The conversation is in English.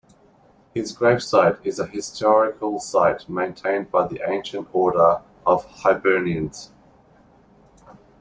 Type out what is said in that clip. His gravesite is a historical site maintained by the Ancient Order of Hibernians.